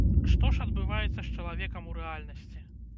Што ж адбываецца з чалавекам у рэальнасці?